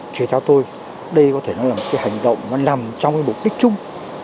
thế tao tôi đây có thể là một cái hành động mà nằm trong mục đích chung